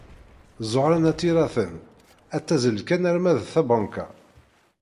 Ẓuhṛa n At Yiraten ad tazzel kan arma d tabanka.